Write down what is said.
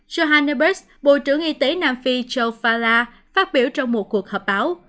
joe hanebers bộ trưởng y tế nam phi joe fala phát biểu trong một cuộc họp báo